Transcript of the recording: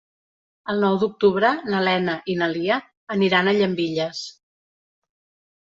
El nou d'octubre na Lena i na Lia aniran a Llambilles.